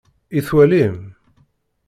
I twalim?